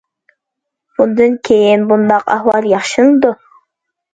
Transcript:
بۇندىن كېيىن، بۇنداق ئەھۋال ياخشىلىنىدۇ.